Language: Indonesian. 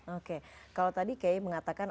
oke kalau tadi kiai mengatakan